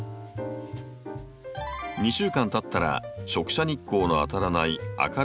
２週間たったら直射日光の当たらない明るい室内に飾ります。